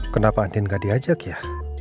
kenapa andin gak diajak ya